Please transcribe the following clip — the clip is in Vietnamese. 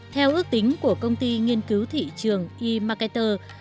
theo ước tính của công ty nghiên cứu thị trường emarketer